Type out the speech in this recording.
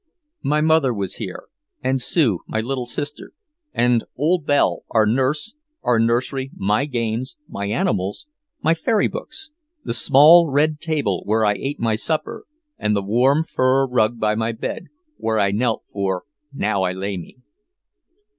My mother was here, and Sue, my little sister, and old Belle, our nurse, our nursery, my games, my animals, my fairy books, the small red table where I ate my supper, and the warm fur rug by my bed, where I knelt for "Now I lay me."